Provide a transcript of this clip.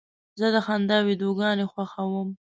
زه د خندا ویډیوګانې خوښوم.